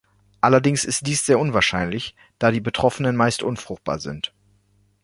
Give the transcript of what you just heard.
Allerdings ist dies sehr unwahrscheinlich, da die Betroffenen meist unfruchtbar sind.